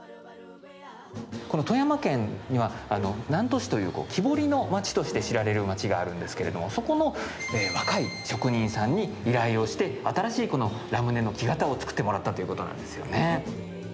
富山県には南砺市という木彫りの町として知られる町があるんですけどもそこの若い職人さんに依頼をして新しいこのラムネの木型を作ってもらったということなんですよね。